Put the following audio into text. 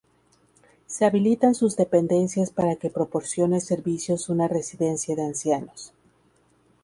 Se habilitan sus dependencias para que proporcione servicios una residencia de ancianos.